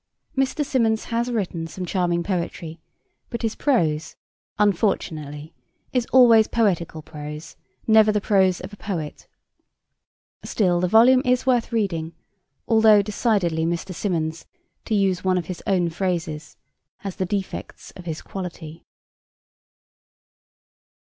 Mr. Symonds has written some charming poetry, but his prose, unfortunately, is always poetical prose, never the prose of a poet. Still, the volume is worth reading, though decidedly Mr. Symonds, to use one of his own phrases, has 'the defects of his quality.'